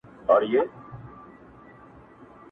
o احساس د سړیتوب یم ور بللی خپل درشل ته,